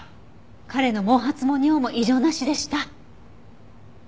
彼の毛髪も尿も異常なしでした。